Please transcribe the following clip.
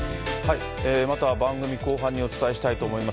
また番組後半にお伝えしたいと思います。